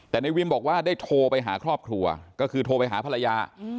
แต่ในวิมบอกว่าได้โทรไปหาครอบครัวก็คือโทรไปหาภรรยา